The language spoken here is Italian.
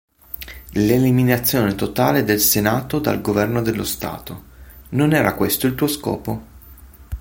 L'eliminazione totale del Senato dal governo dello Stato: non era questo il tuo scopo?